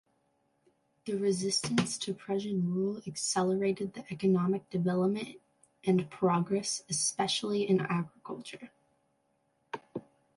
The resistance to Prussian rule accelerated the economic development and progress, especially in agriculture.